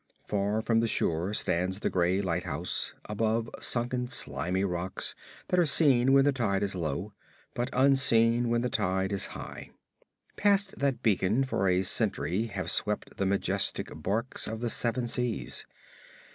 Far from the shore stands the gray lighthouse, above sunken slimy rocks that are seen when the tide is low, but unseen when the tide is high. Past that beacon for a century have swept the majestic barques of the seven seas.